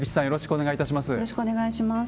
よろしくお願いします。